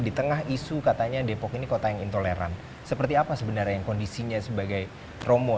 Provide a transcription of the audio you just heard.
di tengah isu katanya depok ini kota yang intoleran seperti apa sebenarnya yang kondisinya sebagai romo